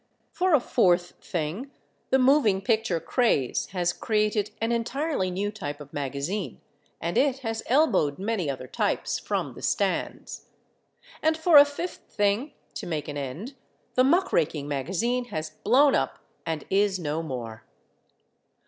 For a fourth thing, the moving picture craze has created an entirely new type of magazine, and it has elbowed many other types from the stands. And for a fifth thing, to make an end, the muck raking magazine has blown up and is no more.